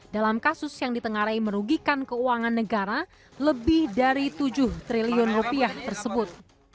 dalam kasus yang ditengarai merugikan keuangan negara lebih dari tujuh triliun rupiah tersebut